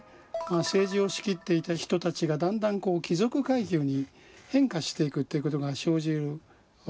政治を仕切っていた人たちがだんだん貴族階級に変化していくということが生じるわけです。